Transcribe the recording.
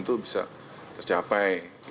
itu bisa tercapai